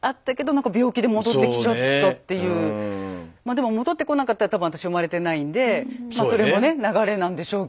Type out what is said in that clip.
でも戻ってこなかったら多分私生まれてないんでそれもね流れなんでしょうけど。